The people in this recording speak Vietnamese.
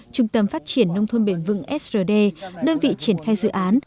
trung tâm phát triển nông thôn bền vững srd đơn vị triển khai dự án